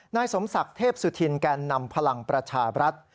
นายสมศักดิ์เทพสุธินแก่นำพลังประชาบรัฐ